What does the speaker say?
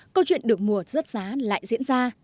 câu chuyện được mùa rớt giá lại diễn ra